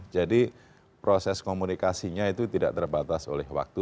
jadi proses komunikasinya itu tidak terbatas oleh waktu